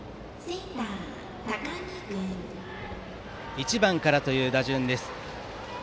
１番からという打順です。